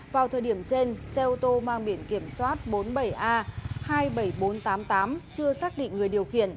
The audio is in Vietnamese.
vào thời điểm trên xe ô tô mang biển kiểm soát bốn mươi bảy a hai mươi bảy nghìn bốn trăm tám mươi tám chưa xác định người điều khiển